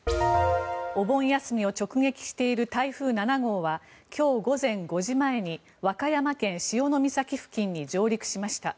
お盆休みを直撃している台風７号は今日午前５時前に和歌山県・潮岬付近に上陸しました。